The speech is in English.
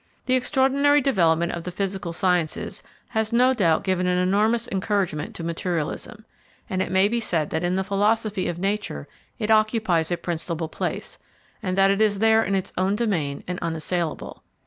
The extraordinary development of the physical sciences has no doubt given an enormous encouragement to materialism, and it may be said that in the philosophy of nature it occupies a principal place, and that it is there in its own domain and unassailable.